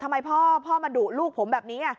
ทำไมพ่อมาดุลูกผมแบบนี้